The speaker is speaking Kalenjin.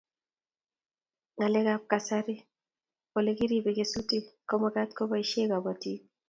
Ng'alek ab kasari ole kiribei kesutik ko magat ko baishe kabatik